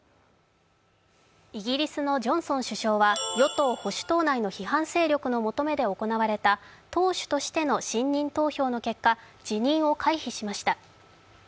イギリスのジョンソン首相は与党保守党内の求めで行われた党首としての信任投票の結果、辞任を回避しました。